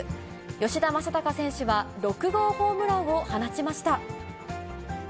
吉田正尚選手は６号ホームランを放ちました。